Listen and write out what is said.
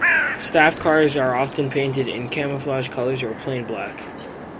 Staff cars are often painted in camouflage colours, or plain black.